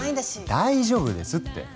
大丈夫ですって。